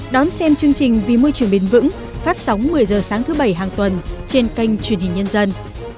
đón xem chương trình vì môi trường bền vững phát sóng một mươi h sáng thứ bảy hàng tuần trên kênh truyền hình nhân dân